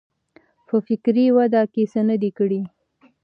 په فکري وده کې څه نه دي کړي.